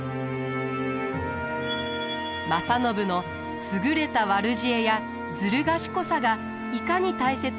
正信の優れた悪知恵やずる賢さがいかに大切か